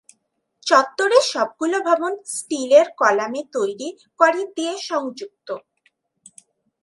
চত্বরের সবগুলো ভবন স্টিলের কলামে তৈরি করিডর দিয়ে সংযুক্ত।